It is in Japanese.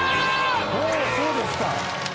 おっそうですか。